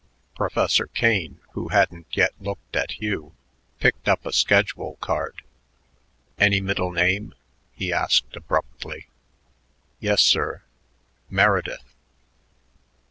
Professor Kane, who hadn't yet looked at Hugh, picked up a schedule card. "Any middle name?" he asked abruptly. "Yes, sir Meredith."